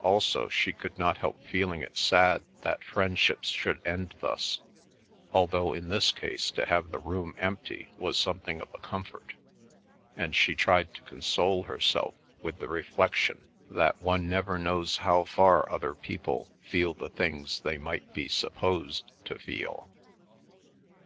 Also she could not help feeling it sad that friendships should end thus, although in this case to have the room empty was something of a comfort, and she tried to console herself with the reflection that one never knows how far other people feel the things they might be supposed to feel.